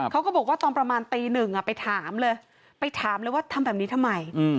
เขาก็บอกว่าตอนประมาณตีหนึ่งไปถามเลยไปถามเลยว่าทำแบบนี้ทำไม